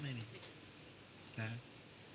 ไม่มีครับ